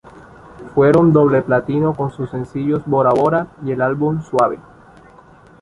Fueron doble platino con sus sencillos "Bora Bora" y el álbum "Suave".